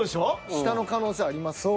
下の可能性ありますね。